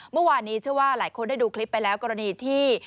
เมื่อวานนี้เชื่อว่าหลายคนได้ดูคลิปไปแล้วกรณีที่